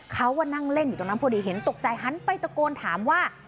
เขาก็นั่งเล่นอยู่ตรงนั้นพอดีเห็นตกใจหันไปตะโกนถามว่า